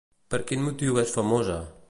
Per quin motiu és famosa?